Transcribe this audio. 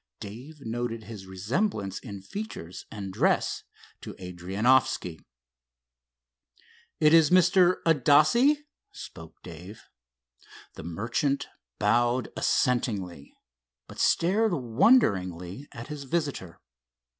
Dave noted his resemblance in feature and dress to Adrianoffski. "It is Mr. Adasse?" spoke Dave. The merchant bowed assentingly, but stared wonderingly at his visitor.